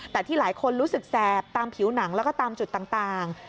แต่ที่หลายคนรู้สึกแสบตามผิวหนังแล้วก็ตามจุดต่าง